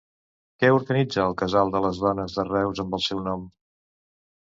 Què organitza el Casal de les Dones de Reus amb el seu nom?